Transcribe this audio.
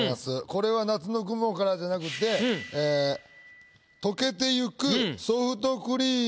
これは「夏の雲」からじゃなくてええ「溶けてゆくソフトクリーム